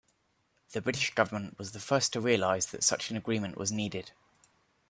The British Government was the first to realize that such an agreement was needed.